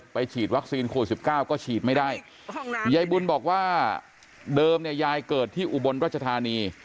ฉีดวัคซีนโควิด๑๙ก็ฉีดไม่ได้ยายบุญบอกว่าเดิมเนี่ยยายเกิดที่อุบลรัชธานี